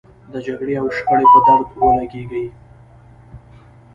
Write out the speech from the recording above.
د جګړې او شخړې په درد ولګېږي.